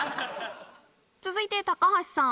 続いて高橋さん。